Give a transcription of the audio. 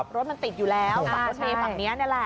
รถมันติดอยู่แล้วฝั่งรถเมย์ฝั่งนี้นี่แหละ